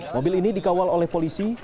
mobil ini dikawal oleh polisi